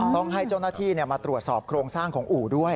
ต้องให้เจ้าหน้าที่มาตรวจสอบโครงสร้างของอู่ด้วย